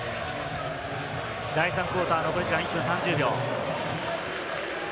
第３クオーター、残り時間１分３０秒。